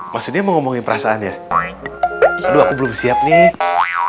maksudnya mau ngomongin perasaannya belum siap nih